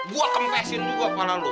gua kempesin juga kepala lo